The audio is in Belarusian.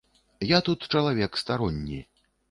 Я тут чалавек старонні.